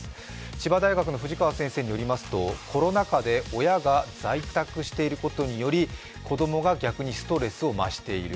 千葉大学の藤川先生によりますとコロナ禍で親が在宅していることにより子供が逆にストレスを増している。